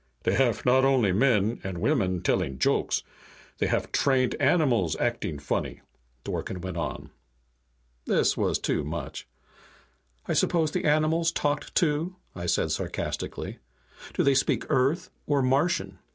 "They haf not only men and women telling jokes. They haf trained animals acting funny!" Dworken went on. This was too much. "I suppose the animals talked, too?" I said sarcastically. "Do they speak Earth or Martian?"